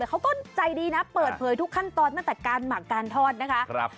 เขาก็ใจดีนะเปิดเผยทุกขั้นตอนตั้งแต่การหมักการทอดนะคะ